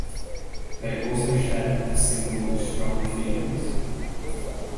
They also shared the single "Strong Feelings".